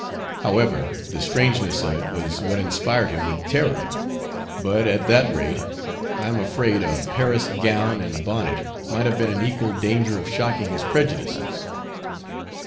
However, the strangeness of it was what inspired him with terror; but, at that rate, I am afraid a Paris gown and bonnet might have been in equal danger of shocking his prejudices.